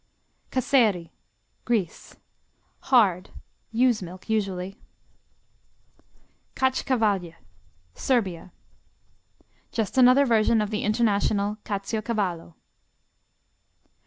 Kasseri Greece Hard; ewe's milk, usually. Katschkawalj Serbia Just another version of the international Caciocavallo.